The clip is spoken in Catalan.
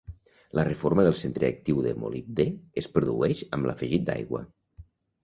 La reforma del centre actiu de molibdè es produeix amb l'afegit d'aigua.